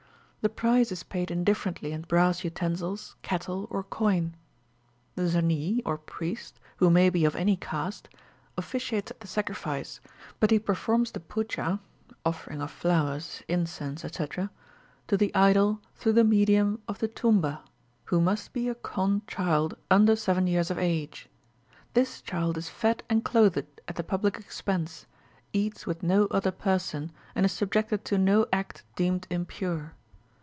The price is paid indifferently in brass utensils, cattle, or coin. The zanee (or priest), who may be of any caste, officiates at the sacrifice, but he performs the poojah (offering of flowers, incense, etc.) to the idol through the medium of the Toomba, who must be a Khond child under seven years of age. This child is fed and clothed at the public expense, eats with no other person, and is subjected to no act deemed impure.